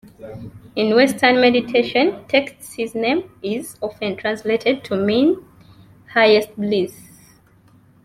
In Western meditation texts his name is often translated to mean "Highest Bliss".